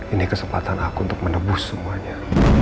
ini kesempatan aku untuk menebus semuanya